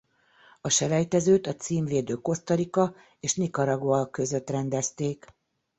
A selejtezőt a címvédő Costa Rica és Nicaragua között rendezték.